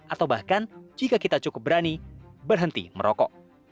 atau bahkan jika kita cukup berani berhenti merokok